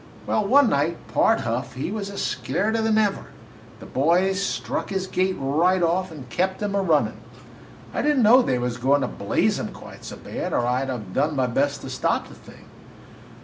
Well, one night, Pard Huff, he was scareder than ever, and the boys struck his gait right off and kep' him a runnin'. I did n't know they was goin' to blaze him quite so bad or I 'd have done my best to stop the thing.